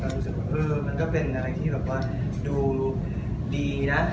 เรารู้สึกว่ามันก็เป็นอะไรที่เราก็ดูดีนะ